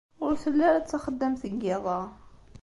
Ur telli ara d taxeddamt deg yiḍ-a.